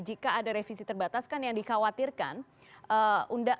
jika ada revisi terbatas kan yang dikhawatirkan